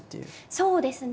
そうですね。